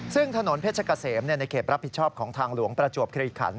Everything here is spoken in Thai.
ซึ่งถนนเพชรเกษมในเขตรับผิดชอบของทางหลวงประจวบคลีขัน